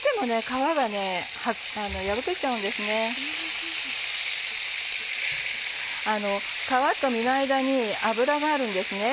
皮と身の間に脂があるんですね。